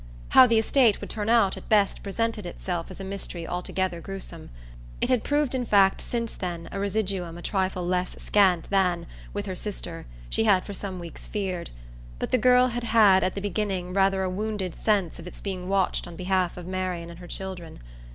How the estate would turn out at best presented itself as a mystery altogether gruesome; it had proved in fact since then a residuum a trifle less scant than, with her sister, she had for some weeks feared; but the girl had had at the beginning rather a wounded sense of its being watched on behalf of Marian and her children.